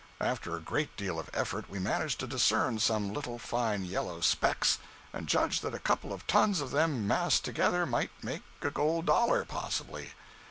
After a great deal of effort we managed to discern some little fine yellow specks, and judged that a couple of tons of them massed together might make a gold dollar, possibly.